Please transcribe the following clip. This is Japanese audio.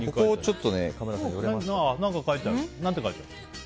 何か書いてあるね。